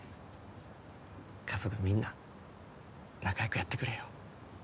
家族みんな仲良くやってくれよ